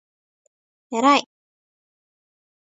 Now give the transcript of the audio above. えらい！！！！！！！！！！！！！！！